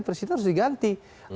presiden harus diganti